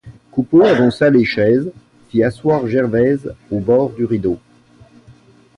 Coupeau avança les chaises, fit asseoir Gervaise au bord du rideau.